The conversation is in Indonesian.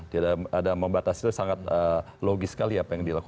tidak ada ambang batas itu sangat logis sekali ya apa yang dilakukan